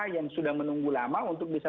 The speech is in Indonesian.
yang sudah menunggu lama untuk bisa